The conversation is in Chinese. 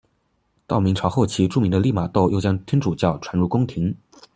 到明朝后期著名的利玛窦又将天主教传入宫廷。